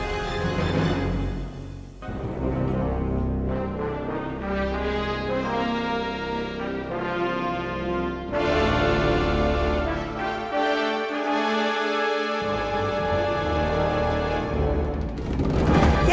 aku akan mencari dia